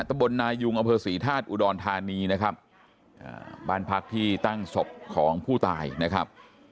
ตะบลนายุงอำเภอศรีธาตุอุดรธานีนะครับบ้านพักที่ตั้งศพของผู้ตายนะครับ